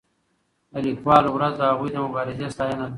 د لیکوالو ورځ د هغوی د مبارزې ستاینه ده.